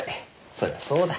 そりゃそうだ。